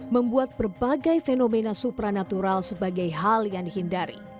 membuat berbagai fenomena supranatural sebagai hal yang dihindari